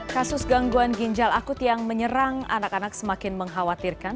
kasus gangguan ginjal akut yang menyerang anak anak semakin mengkhawatirkan